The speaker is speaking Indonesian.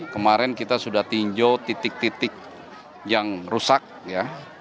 kemarin kita sudah tinjau titik titik yang rusak ya